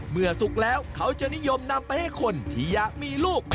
สุกแล้วเขาจะนิยมนำไปให้คนที่อยากมีลูก